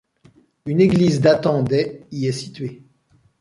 Une église datant des y est située.